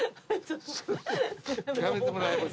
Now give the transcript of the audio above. やめてもらえます？